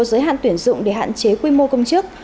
giới hạn tuyển dụng để hạn chế quy mô công chức